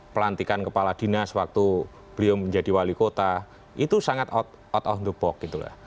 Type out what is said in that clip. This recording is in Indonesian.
pelantikan kepala dinas waktu beliau menjadi wali kota itu sangat out of the box gitu loh